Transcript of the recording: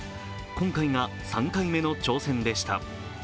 今回が３回目の挑戦でした。